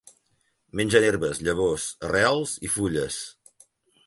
Mengen herbes, llavors, arrels i fulles.